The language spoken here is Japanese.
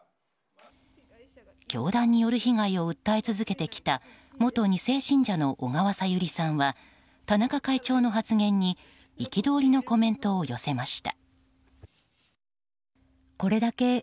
教団による被害を訴え続けてきた元２世信者の小川さゆりさんは田中会長の発言に憤りのコメントを寄せました。